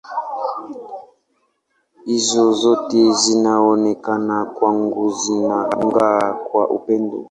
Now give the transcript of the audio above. Hizo zote zinaonekana kwangu zinang’aa kwa upendo.